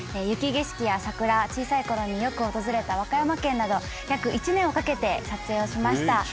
雪景色や桜小さい頃によく訪れた和歌山県など約１年をかけて撮影をしました。